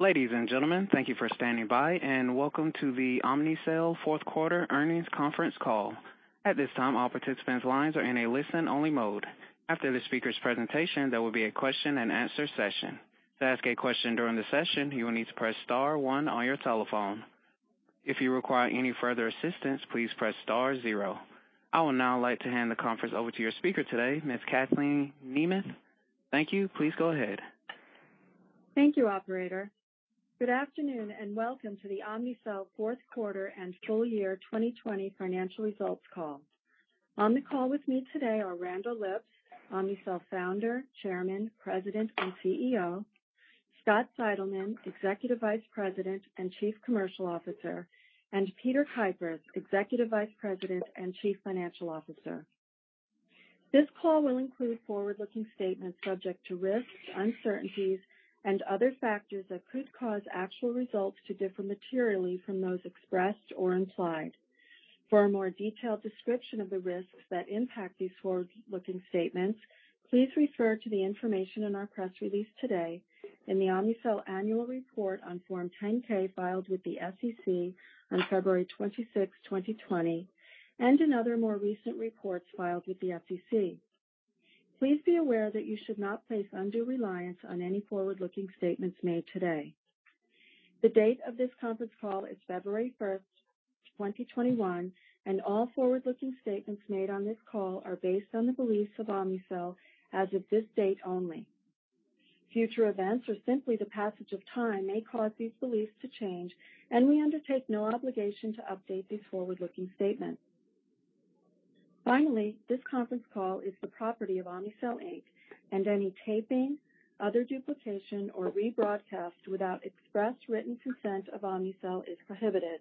Ladies and gentlemen, thank you for standing by, and welcome to the Omnicell Fourth Quarter Earnings Conference Call. At this time, all participants' lines are in a listen-only mode. After the speaker's presentation, there will be a question and answer session. To ask a question during the session you need to press star one on your telephone. If you required any further assistance, please press star zero. I would now like to hand the conference over to your speaker today, Ms. Kathleen Nemeth. Thank you. Please go ahead. Thank you, operator. Good afternoon, welcome to the Omnicell Fourth Quarter and Full Year 2020 Financial Results Call. On the call with me today are Randall Lipps, Omnicell Founder, Chairman, President, and CEO, Scott Seidelmann, Executive Vice President and Chief Commercial Officer, and Peter Kuipers, Executive Vice President and Chief Financial Officer. This call will include forward-looking statements subject to risks, uncertainties, and other factors that could cause actual results to differ materially from those expressed or implied. For a more detailed description of the risks that impact these forward-looking statements, please refer to the information in our press release today, in the Omnicell annual report on Form 10-K filed with the SEC on February 26, 2020, and in other more recent reports filed with the SEC. Please be aware that you should not place undue reliance on any forward-looking statements made today. The date of this conference call is February 1st, 2021, and all forward-looking statements made on this call are based on the beliefs of Omnicell as of this date only. Future events or simply the passage of time may cause these beliefs to change, and we undertake no obligation to update these forward-looking statements. Finally, this conference call is the property of Omnicell, Inc., and any taping, other duplication, or rebroadcast without express written consent of Omnicell is prohibited.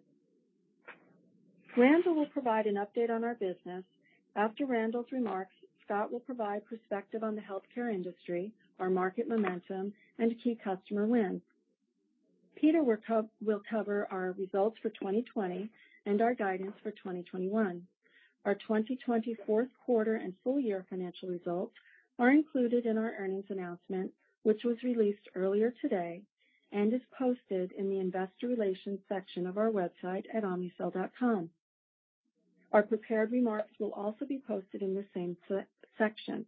Randall will provide an update on our business. After Randall's remarks, Scott will provide perspective on the healthcare industry, our market momentum, and key customer wins. Peter will cover our results for 2020 and our guidance for 2021. Our 2020 fourth quarter and full year financial results are included in our earnings announcement, which was released earlier today and is posted in the investor relations section of our website at omnicell.com. Our prepared remarks will also be posted in the same section.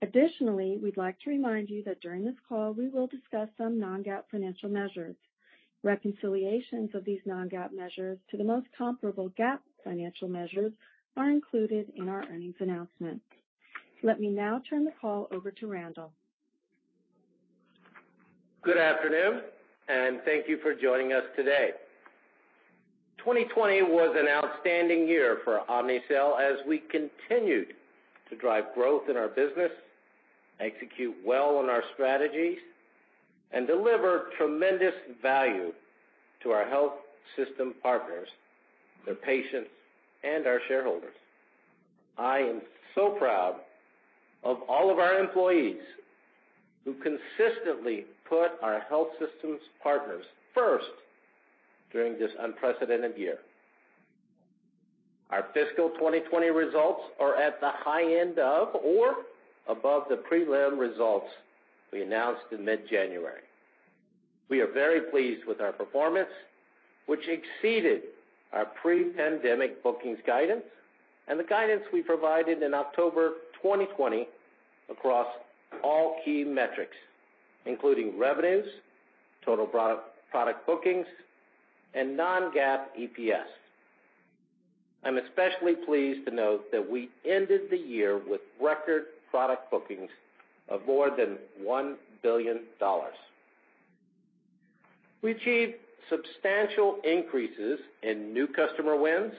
Additionally, we'd like to remind you that during this call, we will discuss some non-GAAP financial measures. Reconciliations of these non-GAAP measures to the most comparable GAAP financial measures are included in our earnings announcement. Let me now turn the call over to Randall. Good afternoon, and thank you for joining us today. 2020 was an outstanding year for Omnicell as we continued to drive growth in our business, execute well on our strategies, and deliver tremendous value to our health system partners, their patients, and our shareholders. I am so proud of all of our employees who consistently put our health systems partners first during this unprecedented year. Our fiscal 2020 results are at the high end of or above the prelim results we announced in mid-January. We are very pleased with our performance, which exceeded our pre-pandemic bookings guidance and the guidance we provided in October 2020 across all key metrics, including revenues, total product bookings, and non-GAAP EPS. I'm especially pleased to note that we ended the year with record product bookings of more than $1 billion. We achieved substantial increases in new customer wins,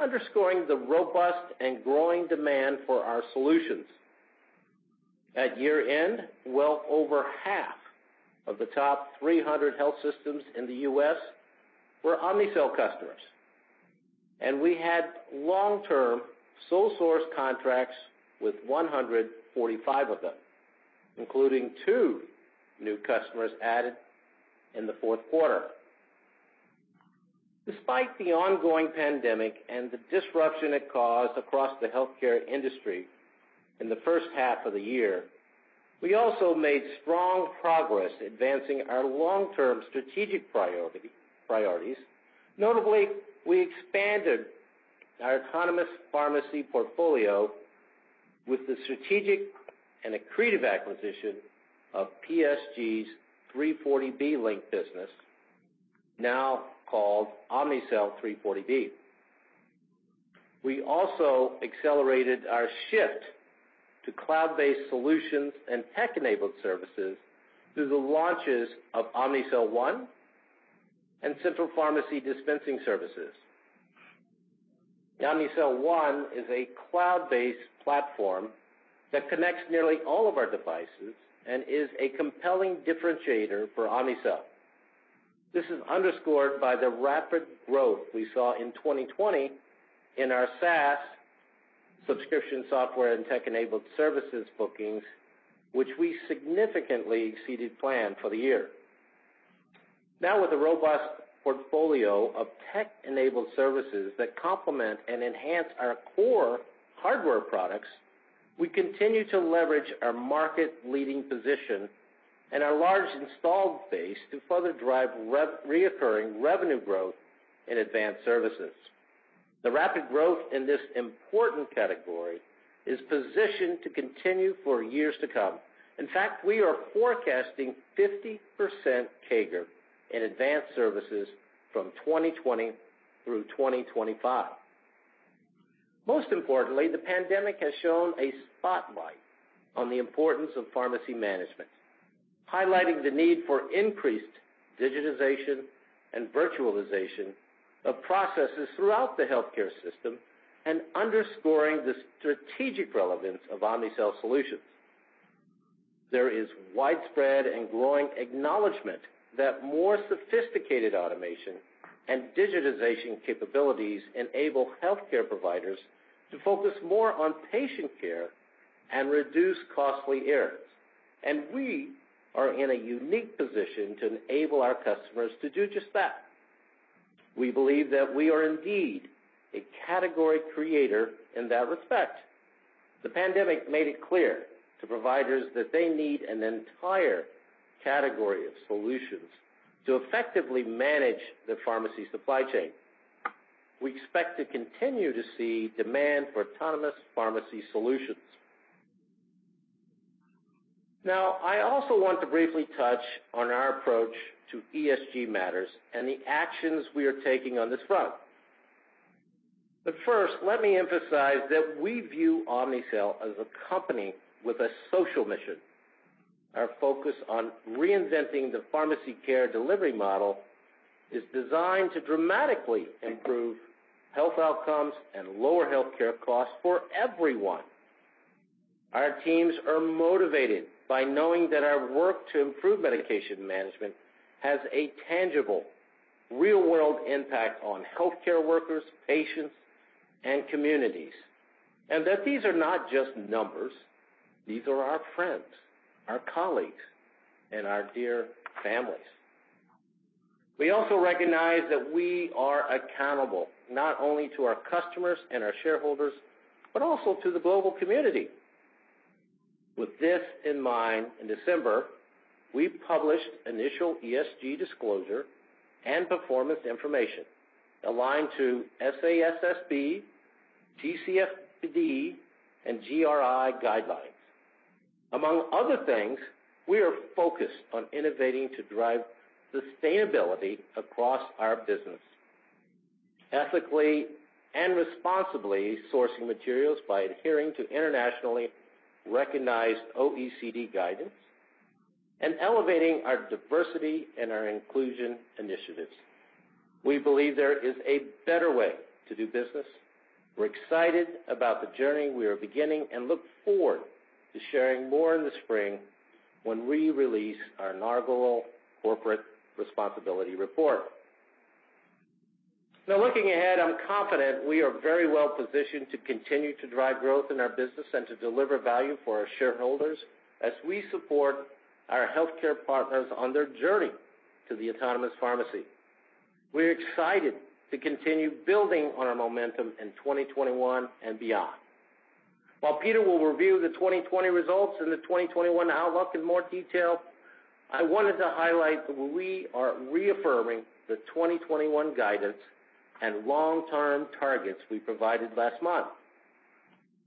underscoring the robust and growing demand for our solutions. At year-end, well over half of the top 300 health systems in the U.S. were Omnicell customers, and we had long-term sole source contracts with 145 of them, including two new customers added in the fourth quarter. Despite the ongoing pandemic and the disruption it caused across the healthcare industry in the first half of the year, we also made strong progress advancing our long-term strategic priorities. Notably, we expanded our Autonomous Pharmacy portfolio with the strategic and accretive acquisition of PSG's 340B Link business, now called Omnicell 340B. We also accelerated our shift to cloud-based solutions and tech-enabled services through the launches of Omnicell One and Central Pharmacy Dispensing Service. Omnicell One is a cloud-based platform that connects nearly all of our devices and is a compelling differentiator for Omnicell. This is underscored by the rapid growth we saw in 2020 in our SaaS subscription software and tech-enabled services bookings, which we significantly exceeded plan for the year. Now with a robust portfolio of tech-enabled services that complement and enhance our core hardware products. We continue to leverage our market leading position and our large installed base to further drive reoccurring revenue growth in Advanced Services. The rapid growth in this important category is positioned to continue for years to come. In fact, we are forecasting 50% CAGR in Advanced Services from 2020 through 2025. Most importantly, the pandemic has shone a spotlight on the importance of pharmacy management, highlighting the need for increased digitization and virtualization of processes throughout the healthcare system, and underscoring the strategic relevance of Omnicell solutions. There is widespread and growing acknowledgment that more sophisticated automation and digitization capabilities enable healthcare providers to focus more on patient care and reduce costly errors, and we are in a unique position to enable our customers to do just that. We believe that we are indeed a category creator in that respect. The pandemic made it clear to providers that they need an entire category of solutions to effectively manage their pharmacy supply chain. We expect to continue to see demand for Autonomous Pharmacy solutions. I also want to briefly touch on our approach to ESG matters and the actions we are taking on this front. First, let me emphasize that we view Omnicell as a company with a social mission. Our focus on reinventing the pharmacy care delivery model is designed to dramatically improve health outcomes and lower healthcare costs for everyone. Our teams are motivated by knowing that our work to improve medication management has a tangible, real world impact on healthcare workers, patients, and communities, and that these are not just numbers. These are our friends, our colleagues, and our dear families. We also recognize that we are accountable, not only to our customers and our shareholders, but also to the global community. With this in mind, in December, we published initial ESG disclosure and performance information aligned to SASB, TCFD, and GRI guidelines. Among other things, we are focused on innovating to drive sustainability across our business, ethically and responsibly sourcing materials by adhering to internationally recognized OECD guidance, and elevating our diversity and our inclusion initiatives. We believe there is a better way to do business. We're excited about the journey we are beginning and look forward to sharing more in the spring when we release our inaugural corporate responsibility report. Now looking ahead, I'm confident we are very well positioned to continue to drive growth in our business and to deliver value for our shareholders as we support our healthcare partners on their journey to the Autonomous Pharmacy. We're excited to continue building on our momentum in 2021 and beyond. While Peter will review the 2020 results and the 2021 outlook in more detail, I wanted to highlight that we are reaffirming the 2021 guidance and long-term targets we provided last month.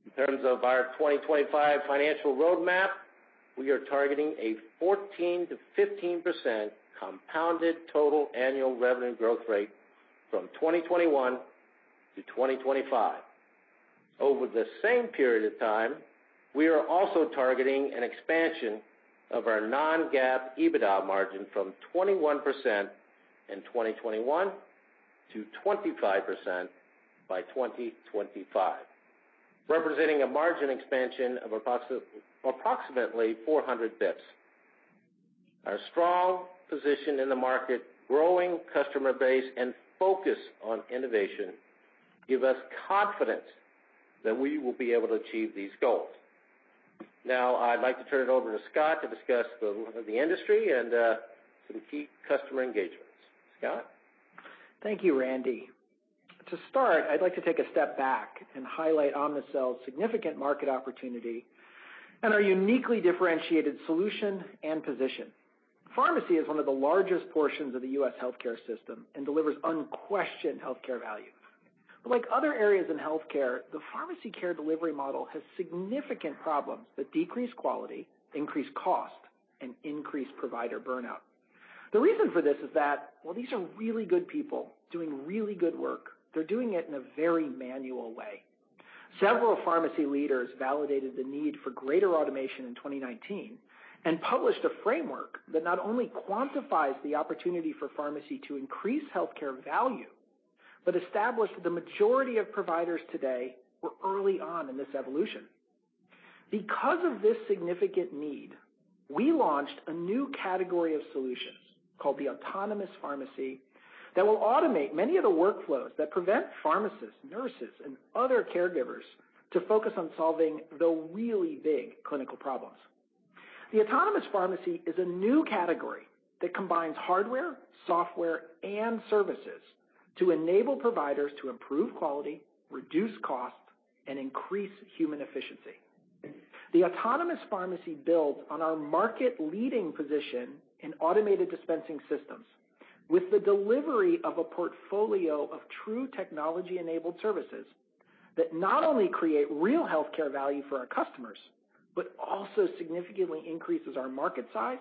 In terms of our 2025 financial roadmap, we are targeting a 14%-15% compounded total annual revenue growth rate from 2021-2025. Over the same period of time, we are also targeting an expansion of our non-GAAP EBITDA margin from 21% in 2021-25% by 2025, representing a margin expansion of approximately 400 basis points. Our strong position in the market, growing customer base, and focus on innovation give us confidence that we will be able to achieve these goals. Now, I'd like to turn it over to Scott to discuss the industry and some key customer engagements. Scott? Thank you, Randy. To start, I'd like to take a step back and highlight Omnicell's significant market opportunity and our uniquely differentiated solution and position. Pharmacy is one of the largest portions of the U.S. healthcare system and delivers unquestioned healthcare value. Like other areas in healthcare, the pharmacy care delivery model has significant problems that decrease quality, increase cost, and increase provider burnout. The reason for this is that while these are really good people doing really good work, they're doing it in a very manual way. Several pharmacy leaders validated the need for greater automation in 2019 and published a framework that not only quantifies the opportunity for pharmacy to increase healthcare value, but established the majority of providers today were early on in this evolution. Because of this significant need, we launched a new category of solutions called the Autonomous Pharmacy that will automate many of the workflows that prevent pharmacists, nurses, and other caregivers to focus on solving the real clinical problems. The Autonomous Pharmacy is a new category that combines hardware, software, and services to enable providers to improve quality, reduce cost, and increase human efficiency. The Autonomous Pharmacy builds on our market-leading position in automated dispensing systems with the delivery of a portfolio of true technology-enabled services that not only create real healthcare value for our customers, but also significantly increases our market size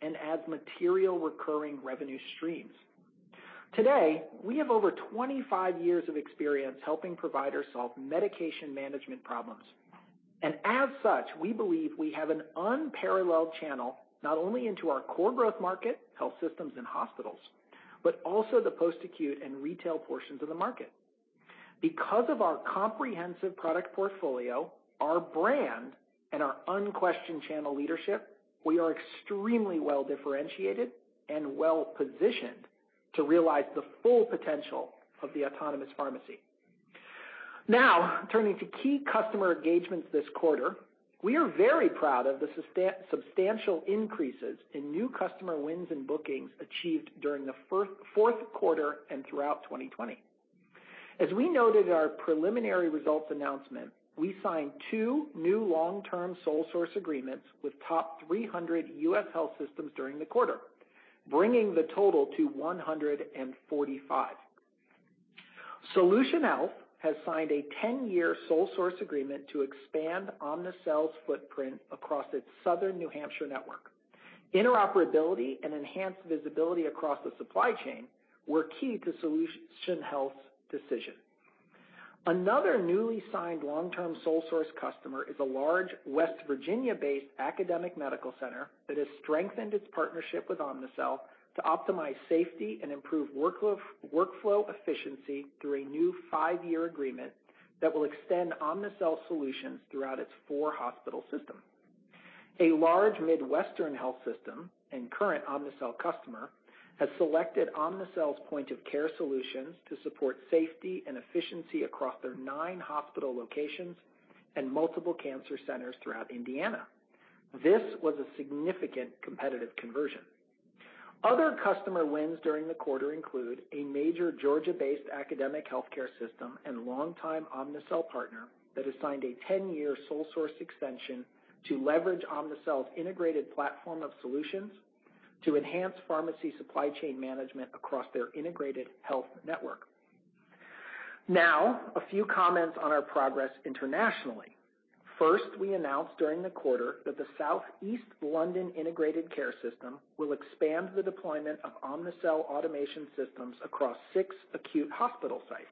and adds material recurring revenue streams. Today, we have over 25 years of experience helping providers solve medication management problems, and as such, we believe we have an unparalleled channel, not only into our core growth market, health systems, and hospitals, but also the post-acute and retail portions of the market. Because of our comprehensive product portfolio, our brand, and our unquestioned channel leadership, we are extremely well-differentiated and well-positioned to realize the full potential of the Autonomous Pharmacy. Turning to key customer engagements this quarter. We are very proud of the substantial increases in new customer wins and bookings achieved during the fourth quarter and throughout 2020. As we noted in our preliminary results announcement, we signed two new long-term sole source agreements with top 300 U.S. health systems during the quarter, bringing the total to 145. SolutionHealth has signed a 10-year sole source agreement to expand Omnicell's footprint across its Southern New Hampshire network. Interoperability and enhanced visibility across the supply chain were key to SolutionHealth's decision. Another newly signed long-term sole source customer is a large West Virginia-based academic medical center that has strengthened its partnership with Omnicell to optimize safety and improve workflow efficiency through a new five-year agreement that will extend Omnicell solutions throughout its four hospital system. A large Midwestern health system and current Omnicell customer has selected Omnicell's point-of-care solutions to support safety and efficiency across their nine hospital locations and multiple cancer centers throughout Indiana. This was a significant competitive conversion. Other customer wins during the quarter include a major Georgia-based academic healthcare system and longtime Omnicell partner that has signed a 10-year sole source extension to leverage Omnicell's integrated platform of solutions to enhance pharmacy supply chain management across their integrated health network. Now, a few comments on our progress internationally. First, we announced during the quarter that the South East London Integrated Care System will expand the deployment of Omnicell automation systems across six acute hospital sites.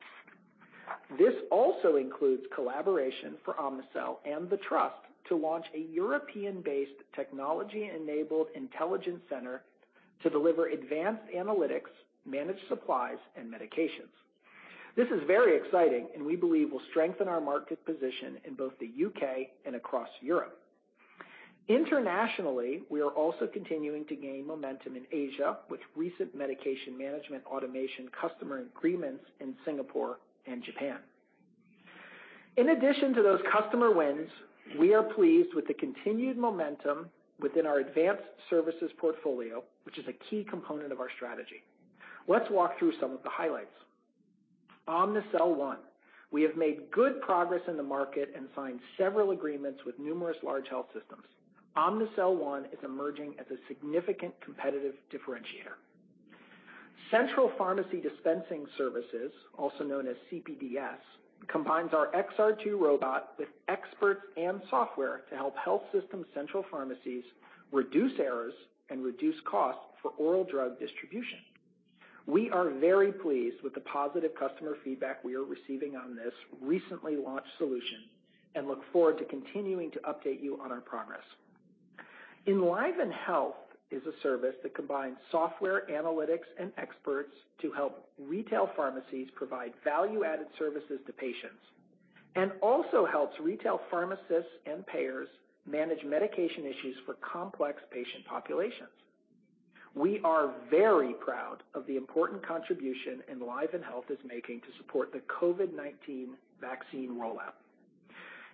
This also includes collaboration for Omnicell and the Trust to launch a European-based technology-enabled intelligence center to deliver advanced analytics, managed supplies, and medications. This is very exciting and we believe will strengthen our market position in both the U.K. and across Europe. Internationally, we are also continuing to gain momentum in Asia with recent medication management automation customer agreements in Singapore and Japan. In addition to those customer wins, we are pleased with the continued momentum within our Advanced Services portfolio, which is a key component of our strategy. Let's walk through some of the highlights. Omnicell One, we have made good progress in the market and signed several agreements with numerous large health systems. Omnicell One is emerging as a significant competitive differentiator. Central Pharmacy Dispensing Services, also known as CPDS, combines our XR2 robot with experts and software to help health system central pharmacies reduce errors and reduce costs for oral drug distribution. We are very pleased with the positive customer feedback we are receiving on this recently launched solution and look forward to continuing to update you on our progress. EnlivenHealth is a service that combines software analytics and experts to help retail pharmacies provide value-added services to patients, and also helps retail pharmacists and payers manage medication issues for complex patient populations. We are very proud of the important contribution EnlivenHealth is making to support the COVID-19 vaccine rollout.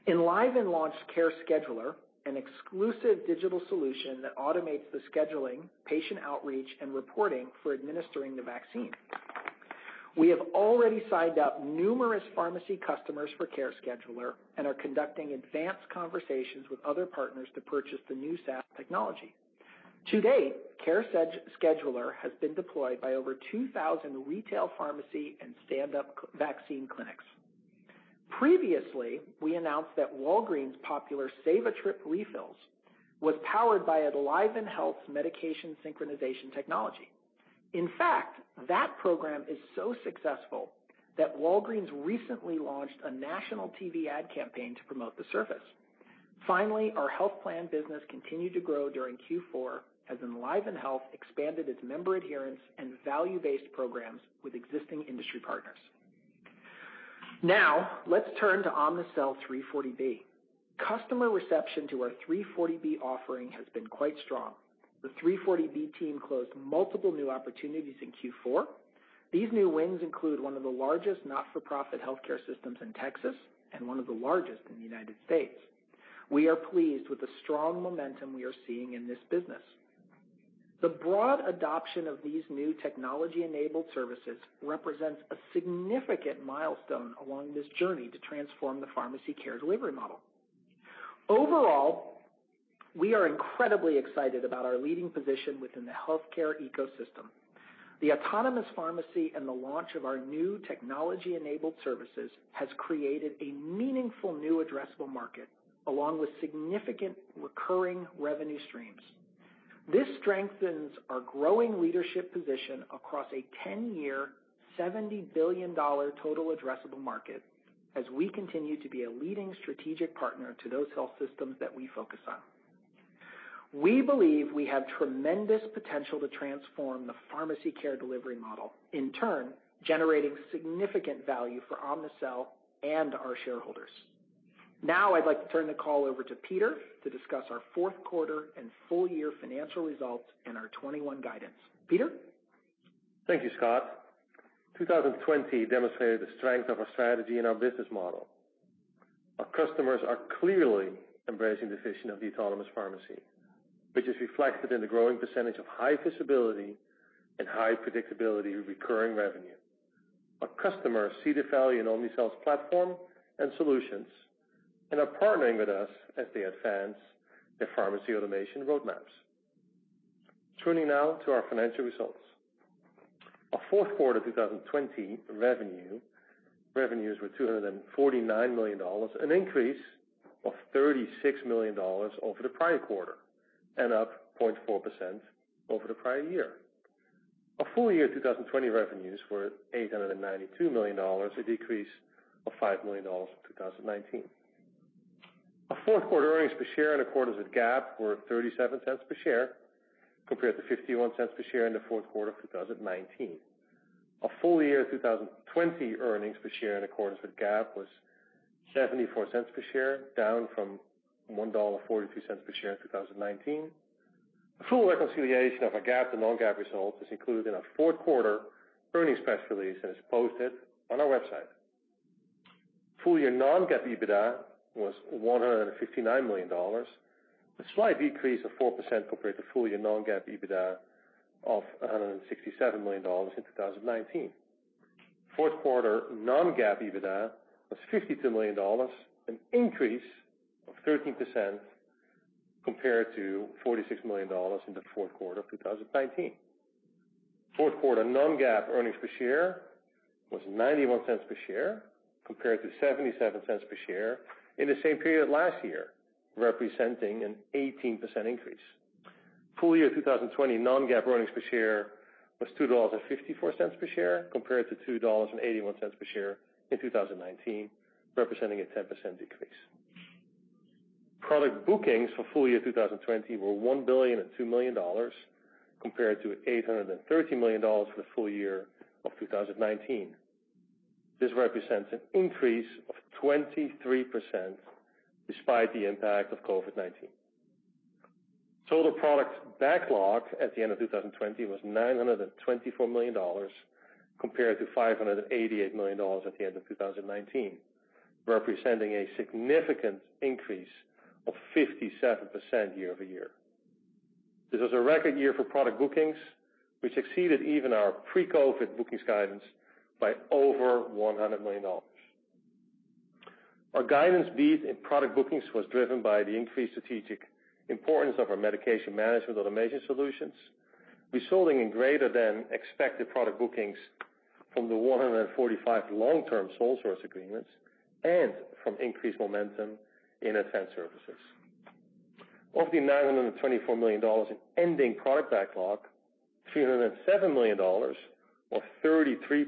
Enliven launched CareScheduler, an exclusive digital solution that automates the scheduling, patient outreach, and reporting for administering the vaccine. We have already signed up numerous pharmacy customers for CareScheduler and are conducting advanced conversations with other partners to purchase the new SaaS technology. To date, CareScheduler has been deployed by over 2,000 retail pharmacy and stand-up vaccine clinics. Previously, we announced that Walgreens' popular Save a Trip Refills was powered by EnlivenHealth's medication synchronization technology. In fact, that program is so successful that Walgreens recently launched a national TV ad campaign to promote the service. Finally, our health plan business continued to grow during Q4 as EnlivenHealth expanded its member adherence and value-based programs with existing industry partners. Now, let's turn to Omnicell 340B. Customer reception to our 340B offering has been quite strong. The 340B team closed multiple new opportunities in Q4. These new wins include one of the largest not-for-profit healthcare systems in Texas and one of the largest in the United States. We are pleased with the strong momentum we are seeing in this business. The broad adoption of these new technology-enabled services represents a significant milestone along this journey to transform the pharmacy care delivery model. Overall, we are incredibly excited about our leading position within the healthcare ecosystem. The Autonomous Pharmacy and the launch of our new technology-enabled services has created a meaningful new addressable market, along with significant recurring revenue streams. This strengthens our growing leadership position across a 10-year, $70 billion total addressable market, as we continue to be a leading strategic partner to those health systems that we focus on. We believe we have tremendous potential to transform the pharmacy care delivery model, in turn, generating significant value for Omnicell and our shareholders. Now I'd like to turn the call over to Peter to discuss our fourth quarter and full year financial results and our 2021 guidance. Peter? Thank you, Scott. 2020 demonstrated the strength of our strategy and our business model. Our customers are clearly embracing the vision of the Autonomous Pharmacy, which is reflected in the growing percentage of high visibility and high predictability recurring revenue. Our customers see the value in Omnicell's platform and solutions and are partnering with us as they advance their pharmacy automation roadmaps. Turning now to our financial results. Our fourth quarter 2020 revenues were $249 million, an increase of $36 million over the prior quarter, and up 0.4% over the prior year. Our full year 2020 revenues were $892 million, a decrease of $5 million from 2019. Our fourth quarter earnings per share in accordance with GAAP were $0.37 per share, compared to $0.51 per share in the fourth quarter of 2019. Our full year 2020 earnings per share in accordance with GAAP was $0.74 per share, down from $1.42 per share in 2019. A full reconciliation of our GAAP to non-GAAP results is included in our fourth quarter earnings press release that is posted on our website. Full year non-GAAP EBITDA was $159 million, a slight decrease of 4% compared to full year non-GAAP EBITDA of $167 million in 2019. Fourth quarter non-GAAP EBITDA was $52 million, an increase of 13% compared to $46 million in the fourth quarter of 2019. Fourth quarter non-GAAP earnings per share was $0.91 per share, compared to $0.77 per share in the same period last year, representing an 18% increase. Full year 2020 non-GAAP earnings per share was $2.54 per share compared to $2.81 per share in 2019, representing a 10% decrease. Product bookings for full year 2020 were $1.02 billion, compared to $830 million for the full year of 2019. This represents an increase of 23% despite the impact of COVID-19. Total product backlog at the end of 2020 was $924 million, compared to $588 million at the end of 2019, representing a significant increase of 57% year-over-year. This was a record year for product bookings. We exceeded even our pre-COVID bookings guidance by over $100 million. Our guidance beat in product bookings was driven by the increased strategic importance of our medication management automation solutions. We saw greater than expected product bookings from the 145 long-term sole source agreements and from increased momentum in Advanced Services. Of the $924 million in ending product backlog, $307 million or 33%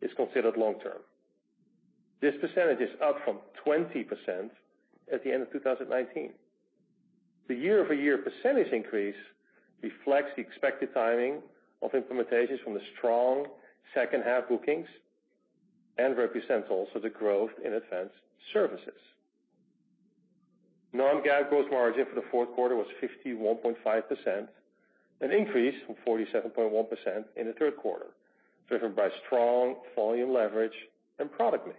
is considered long-term. This percentage is up from 20% at the end of 2019. The year-over-year percentage increase reflects the expected timing of implementations from the strong second half bookings and represents also the growth in Advanced Services. Non-GAAP gross margin for the fourth quarter was 51.5%, an increase from 47.1% in the third quarter, driven by strong volume leverage and product mix.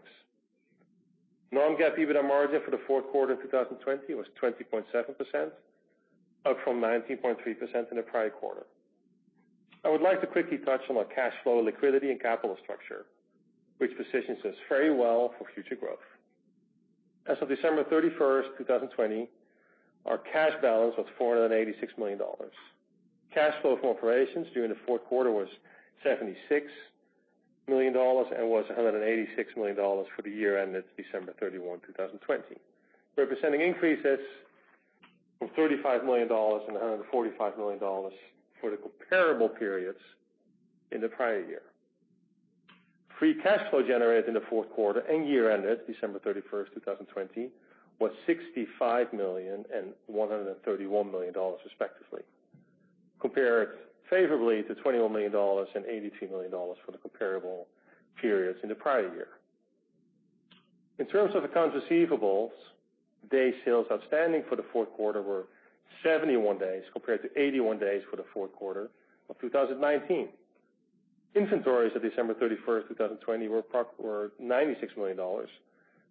Non-GAAP EBITDA margin for the fourth quarter of 2020 was 20.7%, up from 19.3% in the prior quarter. I would like to quickly touch on our cash flow liquidity and capital structure, which positions us very well for future growth. As of December 31st, 2020, our cash balance was $486 million. Cash flow from operations during the fourth quarter was $76 million and was $186 million for the year ended December 31, 2020, representing increases from $35 million and $145 million for the comparable periods in the prior year. Free cash flow generated in the fourth quarter and year ended December 31st, 2020, was $65 million and $131 million respectively, compared favorably to $21 million and $82 million for the comparable periods in the prior year. In terms of accounts receivables, day sales outstanding for the fourth quarter were 71 days compared to 81 days for the fourth quarter of 2019. Inventories at December 31st, 2020 were $96 million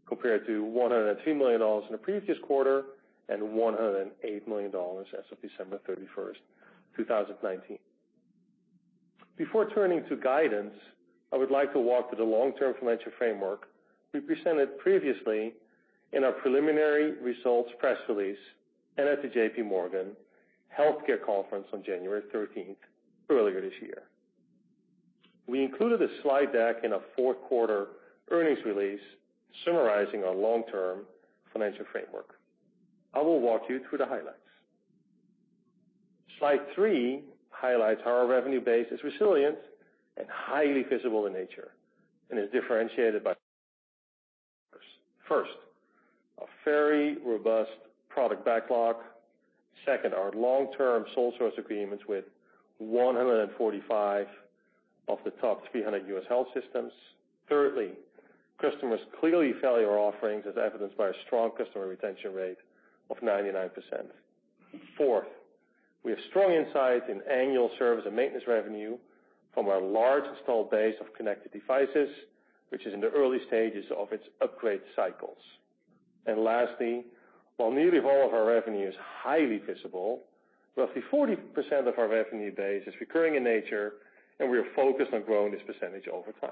compared to $103 million in the previous quarter and $108 million as of December 31st, 2019. Before turning to guidance, I would like to walk through the long-term financial framework we presented previously in our preliminary results press release and at the JPMorgan Healthcare Conference on January 13th, earlier this year. We included a slide deck in our fourth quarter earnings release summarizing our long-term financial framework. I will walk you through the highlights. Slide three highlights how our revenue base is resilient and highly visible in nature and is differentiated by: First, a very robust product backlog. Second, our long-term sole source agreements with 145 of the top 300 U.S. health systems. Thirdly, customers clearly value our offerings as evidenced by a strong customer retention rate of 99%. Fourth, we have strong insight in annual service and maintenance revenue from our large installed base of connected devices, which is in the early stages of its upgrade cycles. Lastly, while nearly all of our revenue is highly visible, roughly 40% of our revenue base is recurring in nature, and we are focused on growing this percentage over time.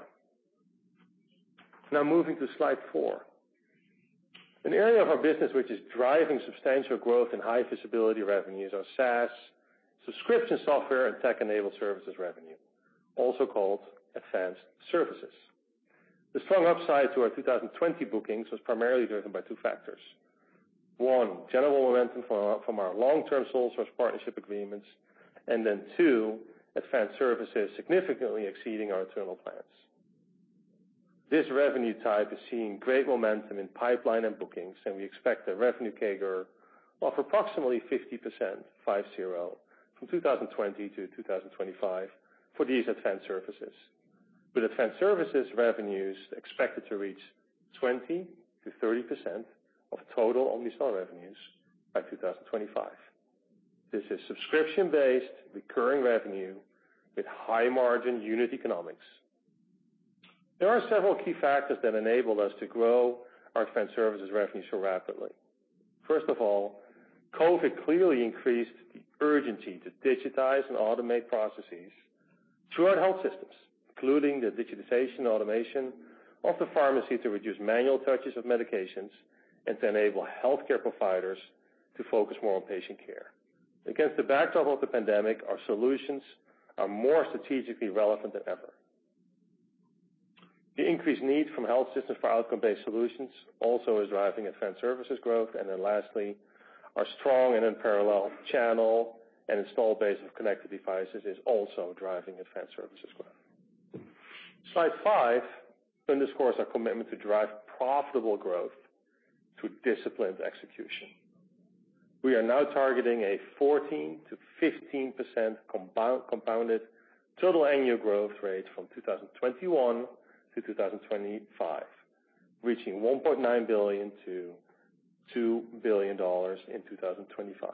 Moving to slide four. An area of our business which is driving substantial growth and high visibility revenues are SaaS, subscription software, and tech-enabled services revenue, also called Advanced Services. The strong upside to our 2020 bookings was primarily driven by two factors. One, general momentum from our long-term sole source partnership agreements, and then two, Advanced Services significantly exceeding our internal plans. This revenue type is seeing great momentum in pipeline and bookings, and we expect a revenue CAGR of approximately 50%, five-zero, from 2020 to 2025 for these Advanced Services, with Advanced Services revenues expected to reach 20%-30% of total Omnicell revenues by 2025. This is subscription-based recurring revenue with high-margin unit economics. There are several key factors that enable us to grow our Advanced Services revenue so rapidly. First of all, COVID clearly increased the urgency to digitize and automate processes throughout health systems, including the digitization and automation of the pharmacy to reduce manual touches of medications and to enable healthcare providers to focus more on patient care. Against the backdrop of the pandemic, our solutions are more strategically relevant than ever. The increased need from health systems for outcome-based solutions also is driving Advanced Services growth. Lastly, our strong and unparalleled channel and installed base of connected devices is also driving Advanced Services growth. Slide five underscores our commitment to drive profitable growth through disciplined execution. We are now targeting a 14%-15% compounded total annual growth rate from 2021-2025, reaching $1.9 billion-$2 billion in 2025.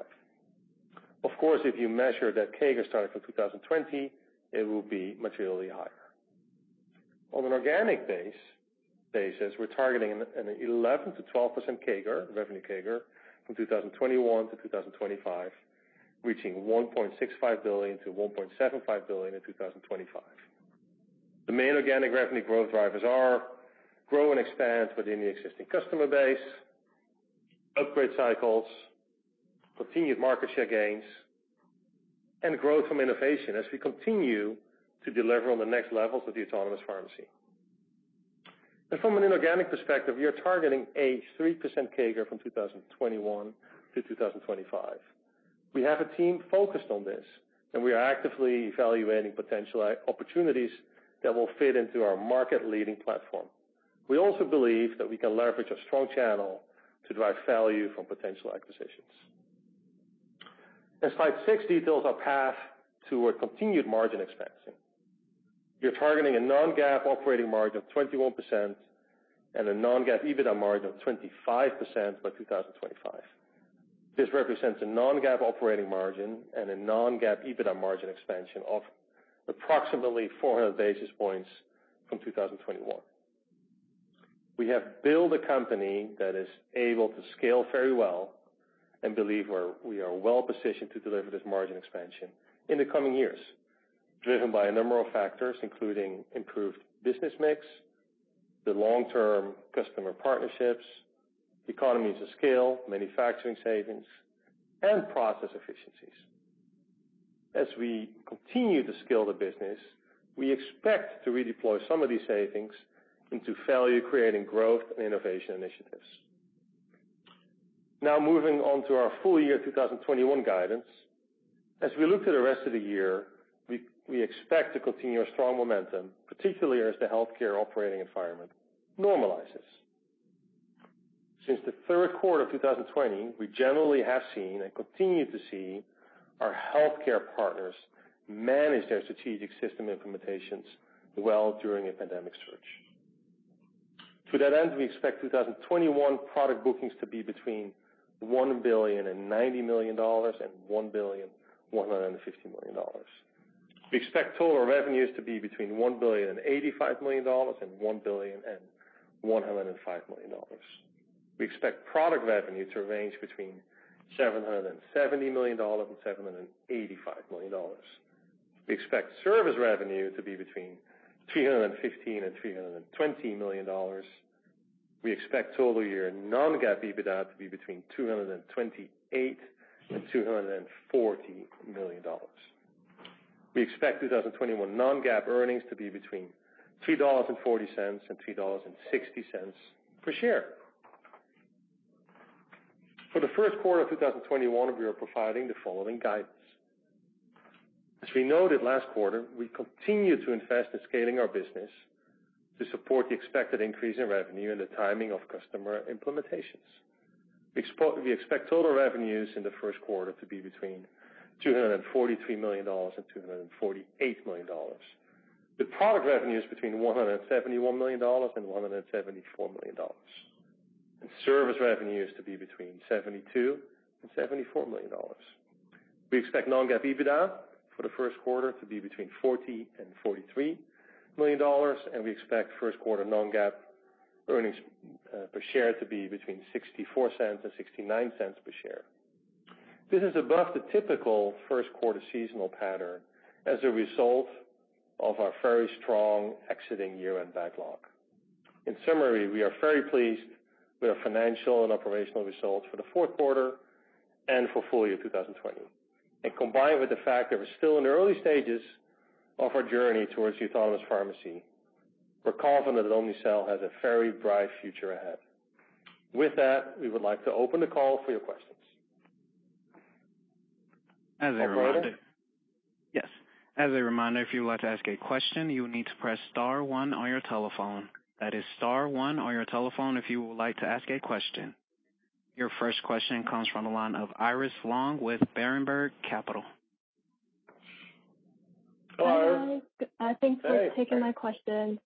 Of course, if you measure that CAGR starting from 2020, it will be materially higher. On an organic basis, we're targeting an 11%-12% revenue CAGR from 2021-2025, reaching $1.65 billion-$1.75 billion in 2025. The main organic revenue growth drivers are grow and expand within the existing customer base, upgrade cycles, continued market share gains, and growth from innovation as we continue to deliver on the next levels of the Autonomous Pharmacy. From an inorganic perspective, we are targeting a 3% CAGR from 2021 to 2025. We have a team focused on this, and we are actively evaluating potential opportunities that will fit into our market-leading platform. We also believe that we can leverage our strong channel to drive value from potential acquisitions. Slide six details our path to a continued margin expansion. We are targeting a non-GAAP operating margin of 21% and a non-GAAP EBITDA margin of 25% by 2025. This represents a non-GAAP operating margin and a non-GAAP EBITDA margin expansion of approximately 400 basis points from 2021. We have built a company that is able to scale very well and believe we are well-positioned to deliver this margin expansion in the coming years, driven by a number of factors, including improved business mix, the long-term customer partnerships, economies of scale, manufacturing savings, and process efficiencies. We expect to redeploy some of these savings into value-creating growth and innovation initiatives. Moving on to our full year 2021 guidance. We look to the rest of the year, we expect to continue our strong momentum, particularly as the healthcare operating environment normalizes. Since the third quarter of 2020, we generally have seen and continue to see our healthcare partners manage their strategic system implementations well during a pandemic surge. To that end, we expect 2021 product bookings to be between $1 billion and $90 million and $1 billion, $150 million. We expect total revenues to be between $1 billion and $85 million and $1 billion and $105 million. We expect product revenue to range between $770 million and $785 million. We expect service revenue to be between $315 million and $320 million. We expect total year non-GAAP EBITDA to be between $228 million and $240 million. We expect 2021 non-GAAP earnings to be between $3.40 and $3.60 per share. For the first quarter of 2021, we are providing the following guidance. As we noted last quarter, we continue to invest in scaling our business to support the expected increase in revenue and the timing of customer implementations. We expect total revenues in the first quarter to be between $243 million and $248 million. The product revenue is between $171 million and $174 million. Service revenue is to be between $72 million and $74 million. We expect non-GAAP EBITDA for the first quarter to be between $40 million and $43 million, and we expect first quarter non-GAAP EPS to be between $0.64 and $0.69 per share. This is above the typical first-quarter seasonal pattern as a result of our very strong exiting year-end backlog. In summary, we are very pleased with our financial and operational results for the fourth quarter and for full year 2020. Combined with the fact that we're still in the early stages of our journey towards Autonomous Pharmacy, we're confident that Omnicell has a very bright future ahead. With that, we would like to open the call for your questions. As a reminder. Operator. Yes. As a reminder, if you would like to ask a question, you need to press star one on your telephone. That is star one on your telephone if you would like to ask a question. Your first question comes from the line of Iris Long with Berenberg Capital. Hi, Iris. Hi. Thanks for taking my question.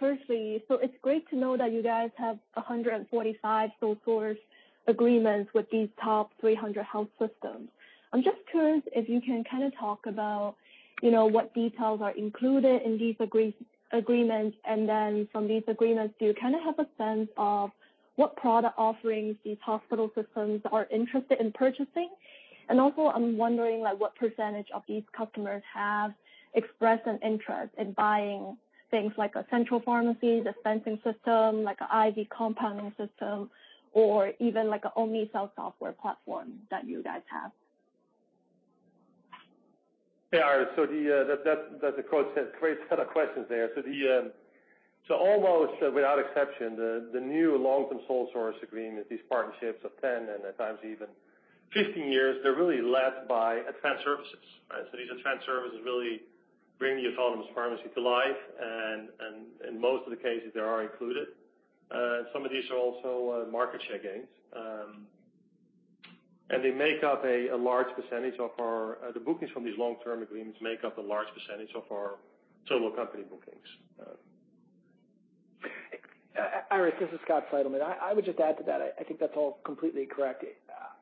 Firstly, it's great to know that you guys have 145 sole-source agreements with these top 300 health systems. I'm just curious if you can talk about what details are included in these agreements, and then from these agreements, do you have a sense of what product offerings these hospital systems are interested in purchasing? Also, I'm wondering what percentage of these customers have expressed an interest in buying things like a central pharmacy, dispensing system, like an IV compounding system, or even an Omnicell software platform that you guys have. Hey, Iris. That's a great set of questions there. Almost without exception, the new long-term sole-source agreement, these partnerships of 10 and at times even 15 years, they're really led by Advanced Services. These Advanced Services really bring the Autonomous Pharmacy to life. In most of the cases, they are included. Some of these are also market share gains. The bookings from these long-term agreements make up a large percentage of our total company bookings. Iris, this is Scott Seidelmann. I would just add to that, I think that's all completely correct.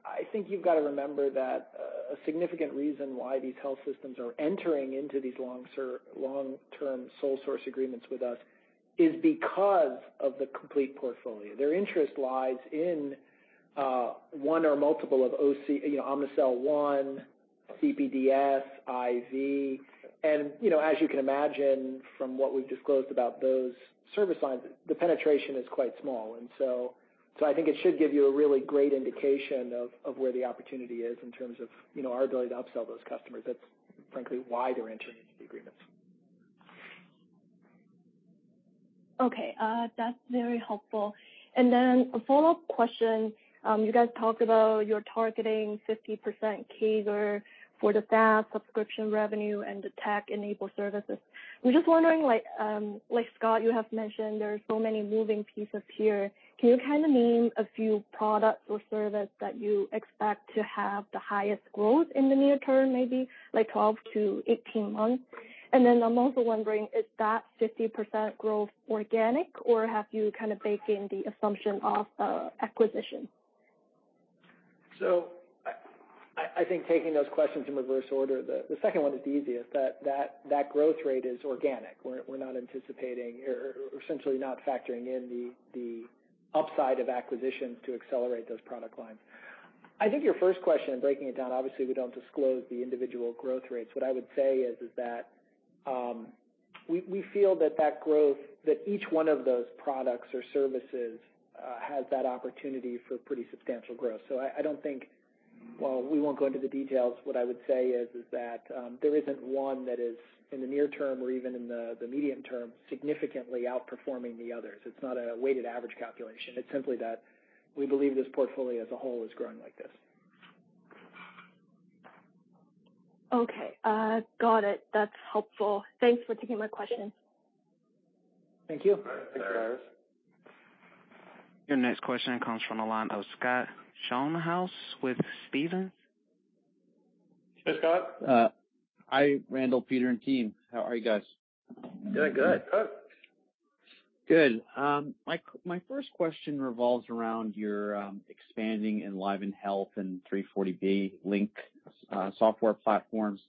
I think you've got to remember that a significant reason why these health systems are entering into these long-term sole-source agreements with us is because of the complete portfolio. Their interest lies in one or multiple of Omnicell One, CPDS, IV. As you can imagine from what we've disclosed about those service lines, the penetration is quite small. I think it should give you a really great indication of where the opportunity is in terms of our ability to upsell those customers. That's frankly why they're entering into the agreements. Okay. That's very helpful. A follow-up question. You guys talked about you're targeting 50% CAGR for the SaaS subscription revenue and the tech-enabled services. I'm just wondering, like Scott, you have mentioned there are so many moving pieces here. Can you name a few products or service that you expect to have the highest growth in the near term, maybe like 12-18 months? I'm also wondering, is that 50% growth organic, or have you baked in the assumption of acquisition? I think taking those questions in reverse order, the second one is the easiest. That growth rate is organic. We're not anticipating or essentially not factoring in the upside of acquisitions to accelerate those product lines. I think your first question, breaking it down, obviously, we don't disclose the individual growth rates. What I would say is that we feel that each one of those products or services has that opportunity for pretty substantial growth. While we won't go into the details, what I would say is that there isn't one that is in the near term or even in the medium term, significantly outperforming the others. It's not a weighted average calculation. It's simply that we believe this portfolio as a whole is growing like this. Okay. Got it. That's helpful. Thanks for taking my question. Thank you. Thank you, Iris. Your next question comes from the line of Scott Schoenhaus with Stephens. Hey, Scott. Hi, Randall, Peter, and team. How are you guys? Good. Good. Good. My first question revolves around your expanding EnlivenHealth and 340B Link software platforms.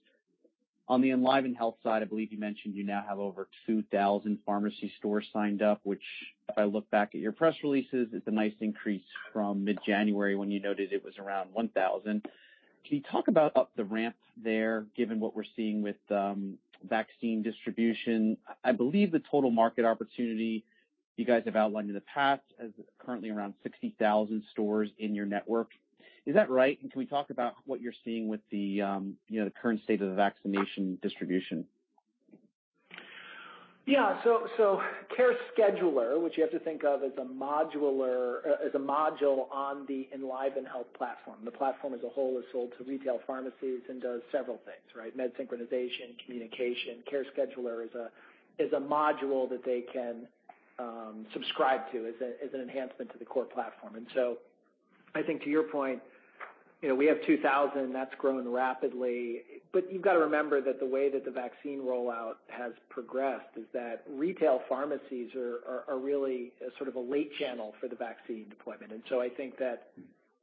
On the EnlivenHealth side, I believe you mentioned you now have over 2,000 pharmacy stores signed up, which, if I look back at your press releases, is a nice increase from mid-January, when you noted it was around 1,000. Can you talk about the ramp there, given what we're seeing with vaccine distribution? I believe the total market opportunity you guys have outlined in the past is currently around 60,000 stores in your network. Is that right? Can we talk about what you're seeing with the current state of the vaccination distribution? Yeah. CareScheduler, which you have to think of as a module on the EnlivenHealth platform. The platform as a whole is sold to retail pharmacies and does several things, right? Med synchronization, communication. CareScheduler is a module that they can subscribe to as an enhancement to the core platform. I think to your point, we have 2,000. That's grown rapidly. You've got to remember that the way that the vaccine rollout has progressed is that retail pharmacies are really sort of a late channel for the vaccine deployment. I think that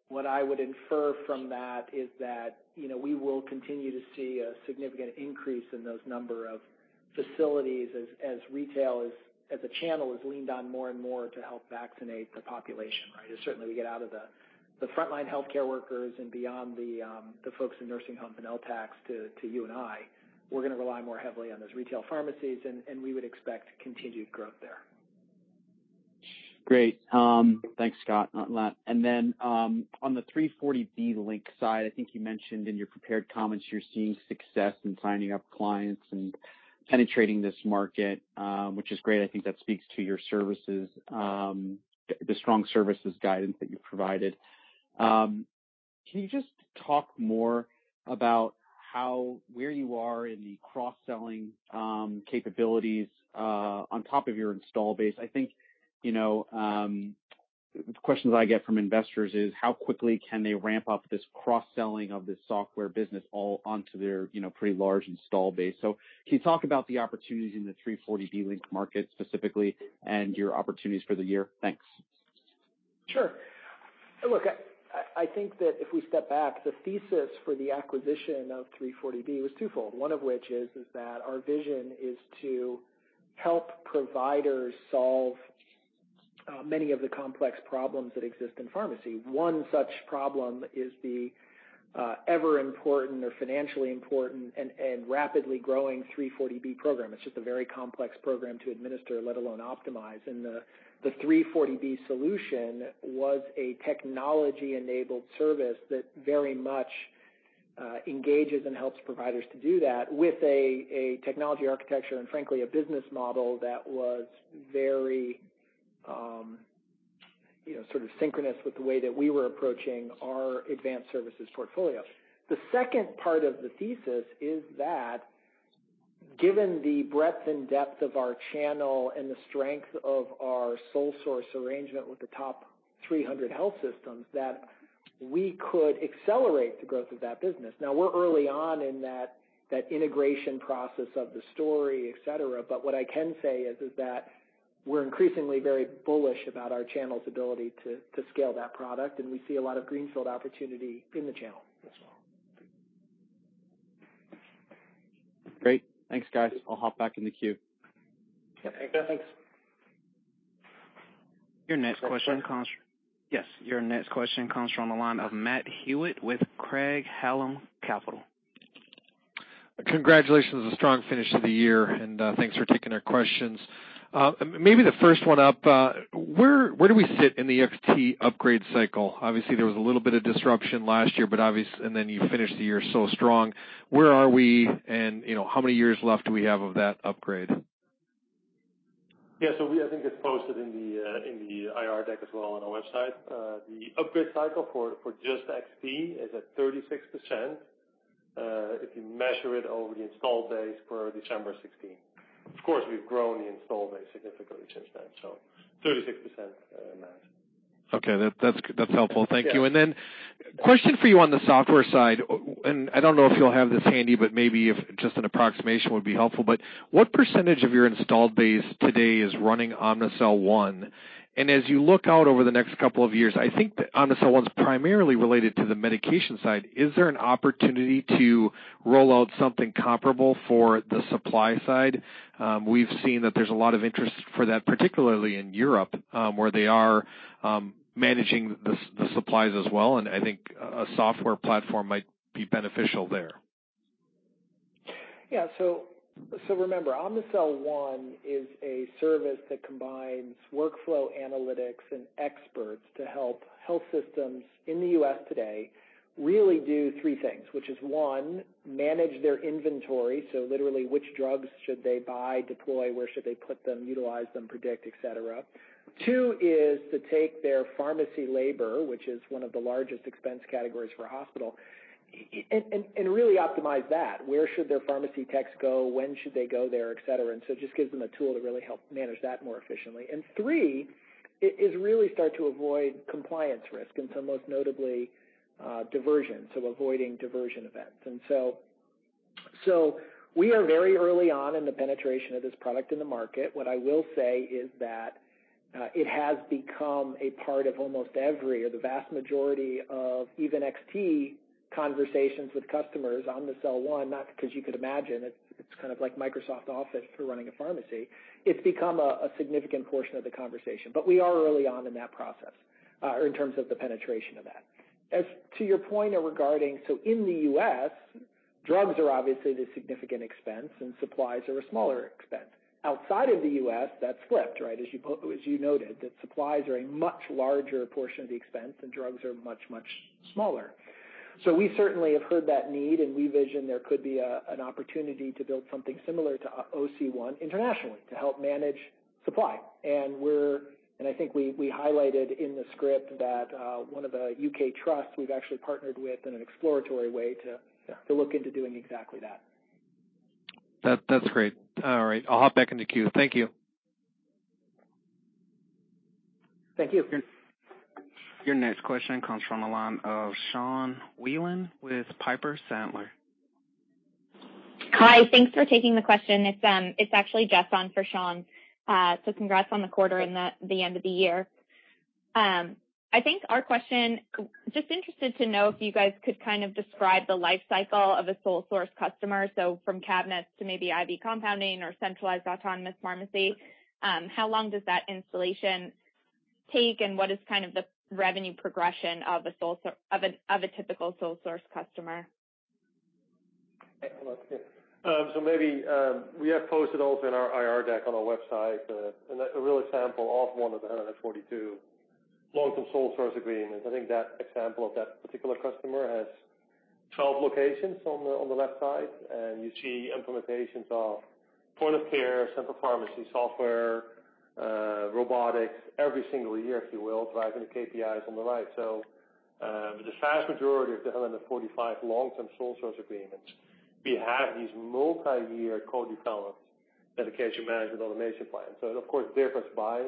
what I would infer from that is that we will continue to see a significant increase in those number of facilities as retail, as a channel, is leaned on more and more to help vaccinate the population, right? As certainly we get out of the frontline healthcare workers and beyond the folks in nursing home and LTACs to you and I, we're going to rely more heavily on those retail pharmacies, and we would expect continued growth there. Great. Thanks, Scott, on that. On the 340B Link side, I think you mentioned in your prepared comments you're seeing success in signing up clients and penetrating this market, which is great. I think that speaks to the strong services guidance that you've provided. Can you just talk more about where you are in the cross-selling capabilities on top of your install base? I think, the questions I get from investors is, how quickly can they ramp up this cross-selling of this software business all onto their pretty large install base. Can you talk about the opportunities in the 340B Link market specifically and your opportunities for the year? Thanks. Sure. Look, I think that if we step back, the thesis for the acquisition of 340B was twofold. One of which is that our vision is to help providers solve many of the complex problems that exist in pharmacy. One such problem is the ever important or financially important and rapidly growing 340B program. It's just a very complex program to administer, let alone optimize. The 340B solution was a technology-enabled service that very much engages and helps providers to do that with a technology architecture and, frankly, a business model that was very sort of synchronous with the way that we were approaching our Advanced Services portfolio. The second part of the thesis is that given the breadth and depth of our channel and the strength of our sole source arrangement with the top 300 health systems, that we could accelerate the growth of that business. We're early on in that integration process of the story, et cetera. What I can say is that we're increasingly very bullish about our channel's ability to scale that product, and we see a lot of greenfield opportunity in the channel as well. Great. Thanks, guys. I'll hop back in the queue. Thanks. Your next question comes from the line of Matt Hewitt with Craig-Hallum Capital. Congratulations on the strong finish to the year, and thanks for taking our questions. Maybe the first one up, where do we sit in the XT upgrade cycle? Obviously, there was a little bit of disruption last year, and then you finished the year so strong. Where are we, and how many years left do we have of that upgrade? Yeah. I think it's posted in the IR deck as well on our website. The upgrade cycle for just XT is at 36%, if you measure it over the installed base for December 2016. Of course, we've grown the installed base significantly since then, 36%. Okay. That's helpful. Thank you. Question for you on the software side, I don't know if you'll have this handy, but maybe if just an approximation would be helpful. What percentage of your installed base today is running Omnicell One? As you look out over the next couple of years, I think that Omnicell One's primarily related to the medication side. Is there an opportunity to roll out something comparable for the supply side? We've seen that there's a lot of interest for that, particularly in Europe, where they are managing the supplies as well, and I think a software platform might be beneficial there. Yeah. Remember, Omnicell One is a service that combines workflow analytics and experts to help health systems in the U.S. today really do three things, which is, One, manage their inventory. Literally, which drugs should they buy, deploy, where should they put them, utilize them, predict, et cetera. Two is to take their pharmacy labor, which is one of the largest expense categories for a hospital, and really optimize that. Where should their pharmacy techs go, when should they go there, et cetera. It just gives them a tool to really help manage that more efficiently. Three is really start to avoid compliance risk, and so most notably diversion, so avoiding diversion events. We are very early on in the penetration of this product in the market. What I will say is that it has become a part of almost every, or the vast majority of even XT conversations with customers on the OC1, not because you could imagine, it's kind of like Microsoft Office for running a pharmacy. It's become a significant portion of the conversation. We are early on in that process, or in terms of the penetration of that. As to your point regarding, in the U.S., drugs are obviously the significant expense and supplies are a smaller expense. Outside of the U.S., that's flipped, right, as you noted, that supplies are a much larger portion of the expense and drugs are much, much smaller. We certainly have heard that need, and we vision there could be an opportunity to build something similar to OC1 internationally to help manage supply. I think we highlighted in the script that one of the U.K. trusts we've actually partnered with in an exploratory way to look into doing exactly that. That's great. All right. I'll hop back in the queue. Thank you. Thank you. Your next question comes from the line of Sean Wieland with Piper Sandler. Hi. Thanks for taking the question. It's actually Jess on for Shawn. Congrats on the quarter and the end of the year. I think our question, just interested to know if you guys could kind of describe the life cycle of a sole source customer, so from cabinets to maybe IV compounding or centralized Autonomous Pharmacy. How long does that installation take, and what is kind of the revenue progression of a typical sole source customer? Maybe, we have posted also in our IR deck on our website a real example of one of the 142 long-term sole source agreements. I think that example of that particular customer has 12 locations on the left side, and you see implementations of point of care, central pharmacy software, robotics every single year, if you will, driving the KPIs on the right. The vast majority of the 145 long-term sole source agreements, we have these multi-year co-developed medication management automation plans. It of course differs by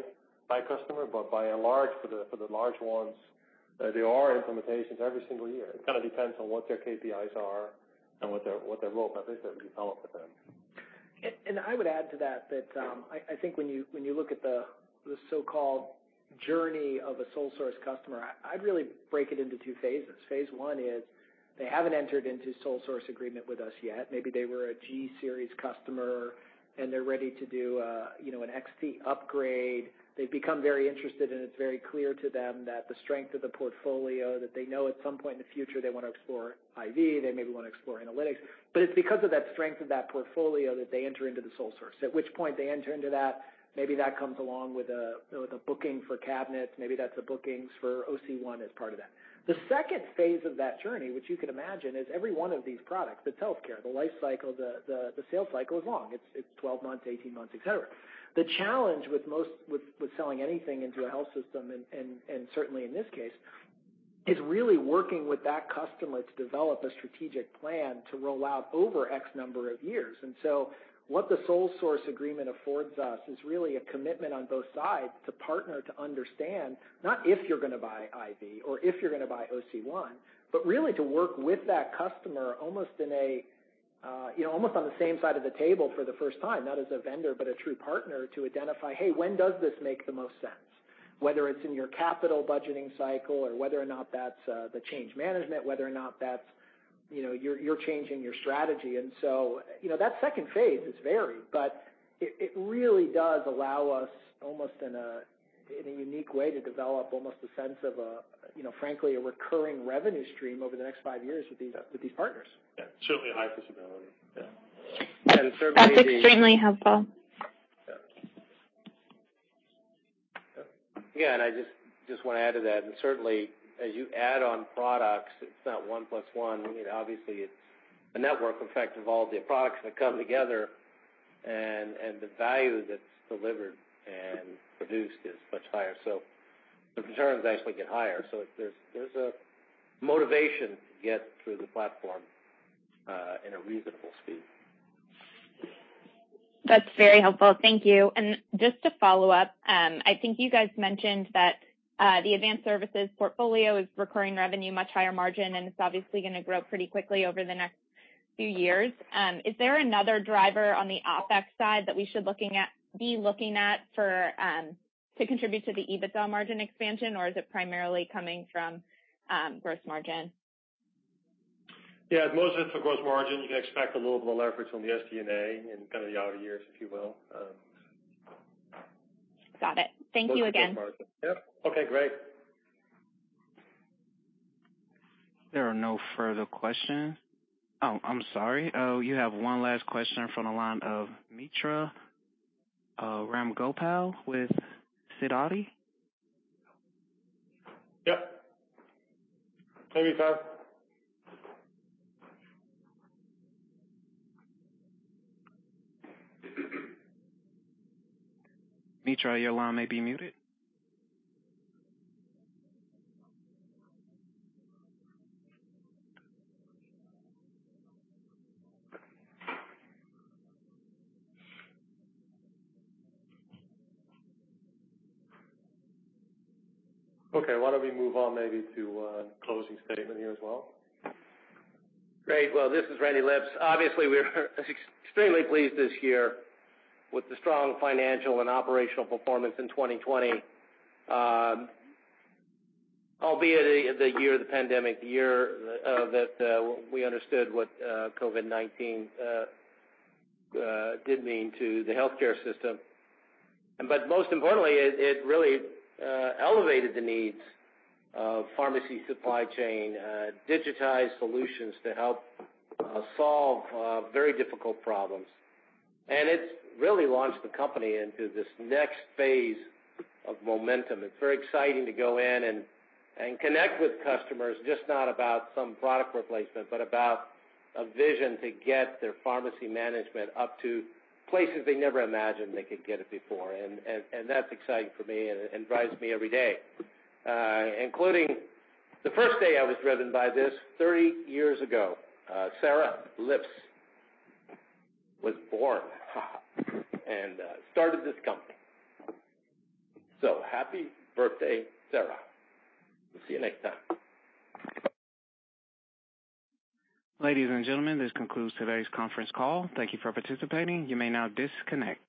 customer, but by and large, for the large ones, there are implementations every single year. It kind of depends on what their KPIs are and what their roadmap is that we develop with them. I would add to that I think when you look at the so-called journey of a sole source customer, I'd really break it into two phases. Phase I is they haven't entered into sole source agreement with us yet. Maybe they were a G-Series customer and they're ready to do an XT upgrade. They've become very interested, and it's very clear to them that the strength of the portfolio that they know at some point in the future they want to explore IV, they maybe want to explore analytics. It's because of that strength of that portfolio that they enter into the sole source. At which point they enter into that, maybe that comes along with a booking for cabinets. Maybe that's a bookings for OC1 as part of that. The second phase of that journey, which you could imagine, is every one of these products, it's healthcare, the life cycle, the sales cycle is long. It's 12 months, 18 months, et cetera. The challenge with selling anything into a health system, and certainly in this case, is really working with that customer to develop a strategic plan to roll out over X number of years. What the sole source agreement affords us is really a commitment on both sides to partner, to understand, not if you're going to buy IV or if you're going to buy OC1, but really to work with that customer almost on the same side of the table for the first time, not as a vendor, but a true partner to identify, "Hey, when does this make the most sense?" Whether it's in your capital budgeting cycle or whether or not that's the change management, whether or not that's you're changing your strategy. That second phase is varied, but it really does allow us almost in a unique way to develop almost a sense of frankly, a recurring revenue stream over the next five years with these partners. Yeah. Certainly high visibility. Yeah. That's extremely helpful. Yeah, I just want to add to that, and certainly as you add on products, it's not one plus one. Obviously, it's a network effect of all the products that come together and the value that's delivered and produced is much higher. The returns actually get higher. There's a motivation to get through the platform, in a reasonable speed. That's very helpful. Thank you. Just to follow up, I think you guys mentioned that, the Advanced Services portfolio is recurring revenue, much higher margin, and it's obviously going to grow pretty quickly over the next few years. Is there another driver on the OpEx side that we should be looking at to contribute to the EBITDA margin expansion, or is it primarily coming from gross margin? Yeah, most of it's a gross margin. You can expect a little bit of leverage on the SG&A in kind of the out years, if you will. Got it. Thank you again. Yep. Okay, great. There are no further questions. Oh, I'm sorry. Oh, you have one last question from the line of Mitra Ramgopal with Sidoti. Yep. Hey, Mitra. Mitra, your line may be muted. Okay, why don't we move on maybe to a closing statement here as well? Great. This is Randy Lipps. Obviously, we're extremely pleased this year with the strong financial and operational performance in 2020. Albeit the year of the pandemic, the year that we understood what COVID-19 did mean to the healthcare system. Most importantly, it really elevated the needs of pharmacy supply chain, digitized solutions to help solve very difficult problems. It's really launched the company into this next phase of momentum. It's very exciting to go in and connect with customers, just not about some product replacement, but about a vision to get their pharmacy management up to places they never imagined they could get it before. That's exciting for me and drives me every day. Including the first day I was driven by this, 30 years ago. Sarah Lipps was born and started this company. Happy birthday, Sarah. We'll see you next time. Ladies and gentlemen, this concludes today's conference call. Thank you for participating. You may now disconnect.